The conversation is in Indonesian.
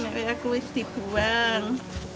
kalau aku harusnya dibuang